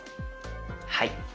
はい。